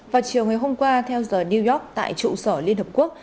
vào chiều ngày hôm qua theo giờ new york tại trụ sở liên hợp quốc